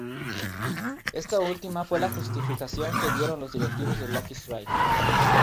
Esta última fue la justificación que dieron los directivos de Lucky Strike.